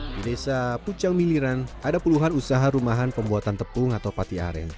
di desa pucang miliran ada puluhan usaha rumahan pembuatan tepung atau pati aren